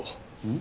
ん？